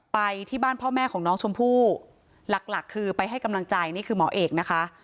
ไปที่บ้านพ่อแม่ของน้องชมพู่หลักหลักคือไปให้กำลังใจนี่คือหมอเอกนะคะ